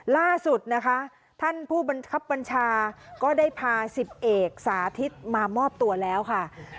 ล่าสุดนะคะท่านผู้บังคับบัญชาก็ได้พาสิบเอกสาธิตมามอบตัวแล้วค่ะ